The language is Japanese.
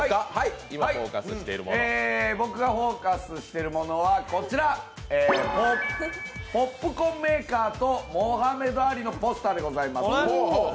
僕がフォーカスしているものはこちら、ポップコーンメーカーとモハメド・アリのポスターでございます。